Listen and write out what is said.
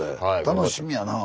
楽しみやなあ。